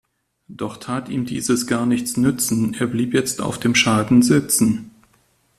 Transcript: Doch tat ihm dieses gar nichts nützen, er bleibt jetzt auf dem Schaden sitzen.